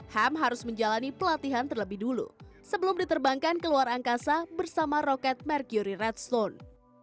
ham harus menjalani pelatihan terlebih dulu sebelum diterbangkan ke luar angkasa bersama roket mercury redstone